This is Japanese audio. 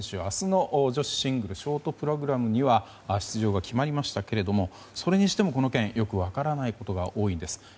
明日の女子シングルショートプログラムには出場が決まりましたけれどもそれにしても、この件よく分からないことが多いんです。